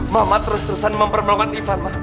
mama terus terusan mempermalukan ivan ma